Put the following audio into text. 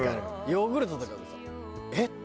ヨーグルトとかもさえっ？